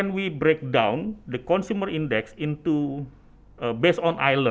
nomor dua ketika kita memutuskan indeks penggunaan berdasarkan pulau